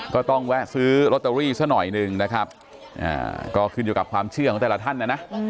แวะซื้อลอตเตอรี่ซะหน่อยหนึ่งนะครับก็ขึ้นอยู่กับความเชื่อของแต่ละท่านนะนะ